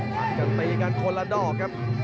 จากที่มีทีมีคนละดอกครับ